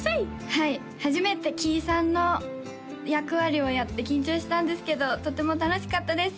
はい初めてキイさんの役割をやって緊張したんですけどとっても楽しかったです